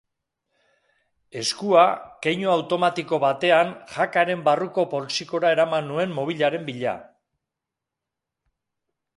Eskua, keinu automatiko batean, jakaren barruko poltsikora eraman nuen mobilaren bila.